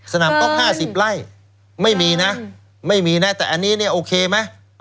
สนามก๊อก๕๐ไร่ไม่มีนะไม่มีนะแต่อันนี้เนี่ยโอเคไหม